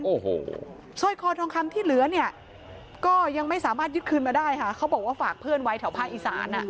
โอ้โหซ่อยคอทองครั้งที่เหลือเนี่ยก็ยังไม่สามารถยึดคืนมาได้ค่ะเขาบอกว่าฝากเพลินไว้เท่าพลังอิสาน